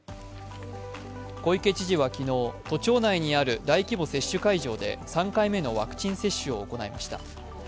小池知事は昨日、都庁内にある大規模接種会場で３回目のワクチン接種を行いました